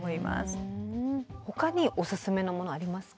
ほかにオススメのものはありますか？